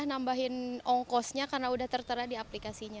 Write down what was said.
nambahin ongkosnya karena udah tertera di aplikasinya